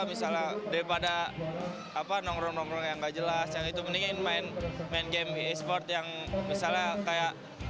misalnya daripada nongkrong nongkrong yang nggak jelas yang itu mendingan main game e sport yang misalnya kayak